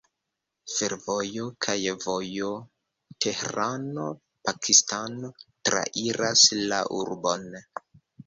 Fervojo kaj vojo Tehrano-Pakistano trairas la urbon.